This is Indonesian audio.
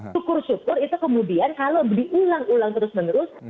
syukur syukur itu kemudian kalau diulang ulang terus menerus